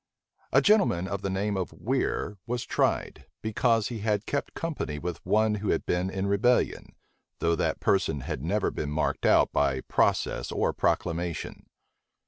A gentleman of the name of Weir was tried, because he had kept company with one who had been in rebellion; though that person had never been marked out by process or proclamation.